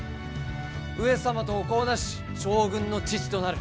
上様とお子をなし将軍の父となる。